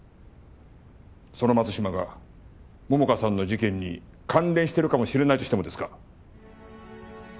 その松島が桃花さんの事件に関連してるかもしれないとしてもですか？